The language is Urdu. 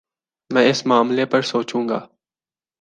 میں اس معاملے پر سوچوں گا